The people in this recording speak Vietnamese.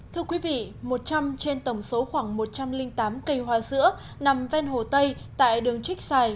thưa quý vị một trăm linh trên tổng số khoảng một trăm linh tám cây hoa sữa nằm ven hồ tây tại đường trích xài